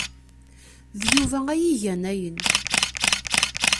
D Yuba ay igan ayen.